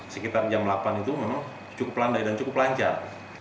sekitar jam delapan itu memang cukup landai dan cukup lancar